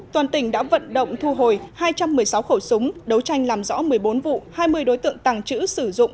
toàn tỉnh đã vận động thu hồi hai trăm một mươi sáu khẩu súng đấu tranh làm rõ một mươi bốn vụ hai mươi đối tượng tàng trữ sử dụng